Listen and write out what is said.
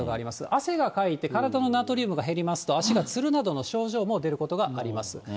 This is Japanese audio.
汗がかいて、体のナトリウムが減りますと、足がつるなどの症状も出ることがあります。